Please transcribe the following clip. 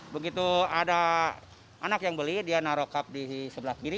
begitu ada anak yang beli dia naro cup di sebelah kiri